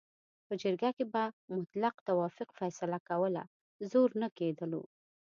په جرګه کې به مطلق توافق فیصله کوله، زور نه کېدلو.